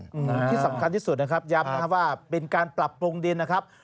อืมที่สำคัญที่สุดนะครับย้ำนะครับว่าเป็นการปรับปรุงดินนะครับ